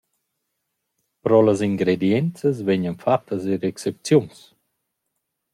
Pro las ingredienzas vegnan fattas eir excepziuns.